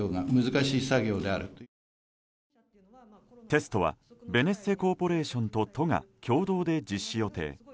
テストはベネッセコーポレーションと都が共同で実施予定。